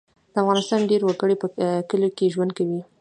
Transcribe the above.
د افغانستان ډیری وګړي په کلیو کې ژوند کوي